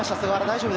大丈夫？